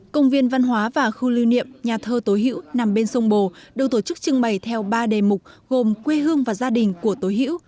công viên văn hóa và khu lưu niệm nhà thơ tố hữu nằm bên sông bồ được tổ chức trưng bày theo ba đề mục gồm quê hương và gia đình của tố hữu